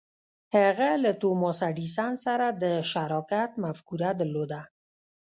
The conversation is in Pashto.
هغه له توماس ایډېسن سره د شراکت مفکوره درلوده.